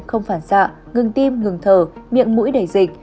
không phản xạ ngừng tim ngừng thở miệng mũi đẩy dịch